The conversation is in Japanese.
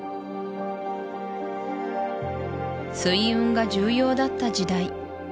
水運が重要だった時代